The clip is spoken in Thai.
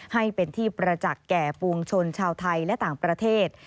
ให้เป็นที่ประจักษ์แก่ปวงชนชาวไทยและต่างประเทศ